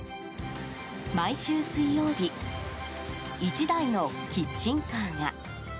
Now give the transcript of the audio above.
毎週水曜日１台のキッチンカーが。